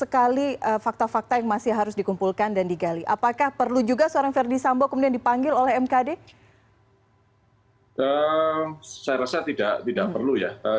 kita akan mengulas itu